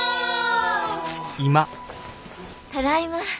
・ただいま。